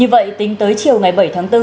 như vậy tính tới chiều ngày bảy tháng bốn